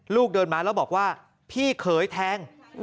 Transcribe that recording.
ลูกเดินมาแล้วบอกว่าพี่เขยแทง